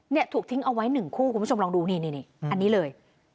เนี่ยถูกทิ้งเอาไว้หนึ่งคู่คุณผู้ชมลองดูนี่นี่อันนี้เลย